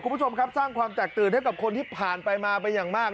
คุณผู้ชมครับสร้างความแตกตื่นให้กับคนที่ผ่านไปมาเป็นอย่างมาก